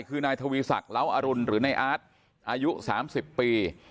คือนายทวีศักดิ์เล้าอรุณหรือนายอาร์ตอายุ๓๐ปี